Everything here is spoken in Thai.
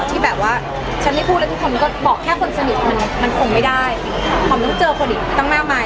ที่แบบว่าฉันไม่พูดแล้วทุกคนก็บอกแค่คนสนิทมันมันคงไม่ได้หอมต้องเจอคนอีกตั้งมากมาย